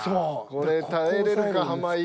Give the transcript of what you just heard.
これ耐えれるか濱家。